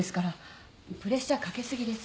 プレッシャーかけ過ぎです。